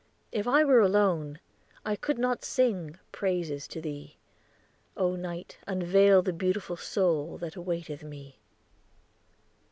"If I were alone, I could not sing, Praises to thee; O night! unveil the beautiful soul That awaiteth me!"